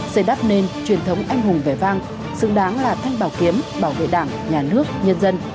xây đắp nền truyền thống anh hùng vẻ vang xứng đáng là thanh bảo kiếm bảo vệ đảng nhà nước nhân dân